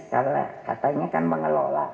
karena katanya kan mengelola